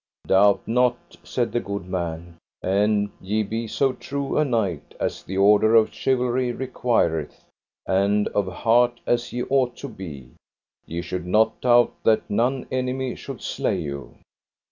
Doubt not, said the good man, an ye be so true a knight as the order of chivalry requireth, and of heart as ye ought to be, ye should not doubt that none enemy should slay you.